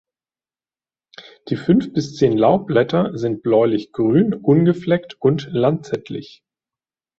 Die fünf bis zehn Laubblätter sind bläulichgrün, ungefleckt und lanzettlich.